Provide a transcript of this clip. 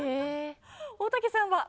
大竹さんは？